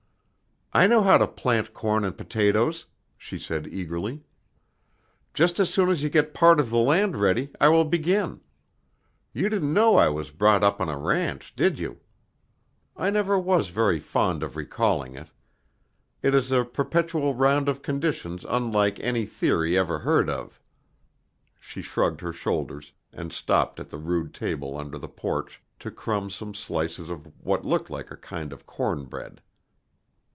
"I know how to plant corn and potatoes," she said eagerly. "Just as soon as you get part of the land ready, I will begin. You didn't know I was brought up on a ranch, did you? I never was very fond of recalling it. It is a perpetual round of conditions unlike any theory ever heard of." She shrugged her shoulders, and stopped at the rude table under the porch to crumb some slices of what looked like a kind of cornbread.